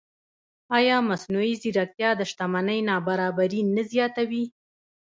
ایا مصنوعي ځیرکتیا د شتمنۍ نابرابري نه زیاتوي؟